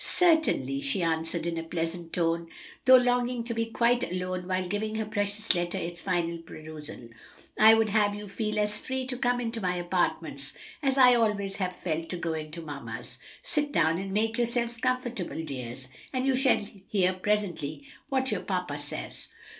"Certainly," she answered in a pleasant tone, though longing to be quite alone while giving her precious letter its first perusal; "I would have you feel as free to come into my apartments as I always have felt to go into mamma's. Sit down and make yourselves comfortable, dears, and you shall hear presently what your papa says.